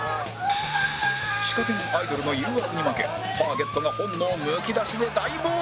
仕掛け人アイドルの誘惑に負けターゲットが本能むき出しで大暴走！